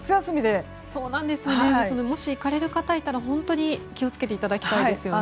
もし行かれる方がいたら本当に気を付けていただきたいですね。